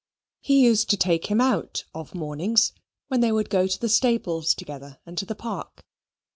He used to take him out of mornings when they would go to the stables together and to the park.